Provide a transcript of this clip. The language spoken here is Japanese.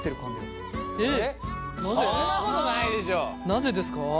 なぜですか？